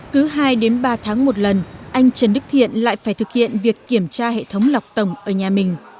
cứ hai đến ba tháng một lần anh trần đức thiện lại phải thực hiện việc kiểm tra hệ thống lọc tổng ở nhà mình